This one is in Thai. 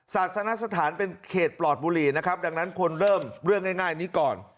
ศาสนสถานเป็นเขตปลอดบุรีนะครับดังนั้นควรเริ่มเรื่องง่ายนี้ก่อน